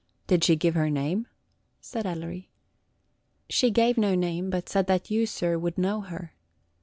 "Did she give her name?" said Ellery. "She gave no name; but she said that you, sir, would know her."